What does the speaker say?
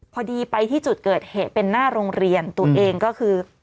พอดีไปที่จุดเกิดเหตุเป็นหน้าโรงเรียนตัวเองก็คือ